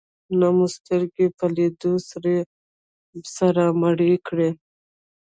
نه مو سترګې په لیدو سره مړې کړې.